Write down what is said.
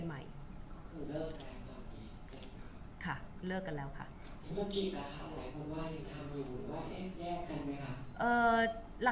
คุณผู้ถามเป็นความขอบคุณค่ะ